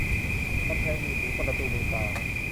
กำแพงมีหูประตูมีตา